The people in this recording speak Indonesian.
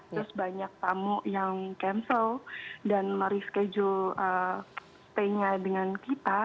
terus banyak tamu yang cancel dan mereschedule stay nya dengan kita